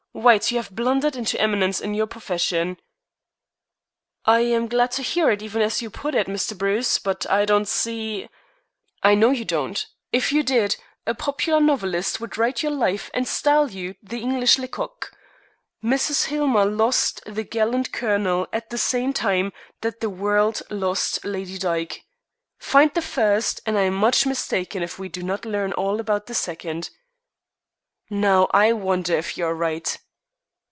White, you have blundered into eminence in your profession." "I'm glad to hear it, even as you put it, Mr. Bruce. But I don't see " "I know you don't. If you did, a popular novelist would write your life and style you the English Lecocq. Mrs. Hillmer 'lost' the gallant colonel at the same time that the world 'lost' Lady Dyke. Find the first, and I am much mistaken if we do not learn all about the second." "Now I wonder if you are right."